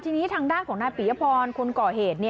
ทีนี้ทางด้านของนายปียพรคนก่อเหตุ